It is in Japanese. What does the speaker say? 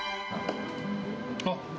あっ！